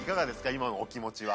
今のお気持ちは。